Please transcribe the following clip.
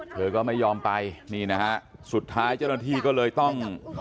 เธอก็ไม่ยอมไปนี่นะฮะสุดท้ายเจ้าหน้าที่ก็เลยต้อง